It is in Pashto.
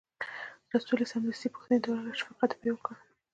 رسول یې سمدستي پوښتنې ته ورغی او شفقت یې پرې وکړ.